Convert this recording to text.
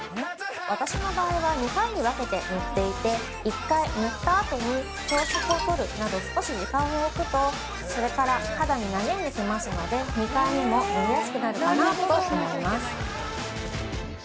私の場合は、２回に分けて塗っていて１回塗ったあとに、朝食をとるなど少し時間を置くとそれから肌になじんできますので２回目も塗りやすくなるかなと思います。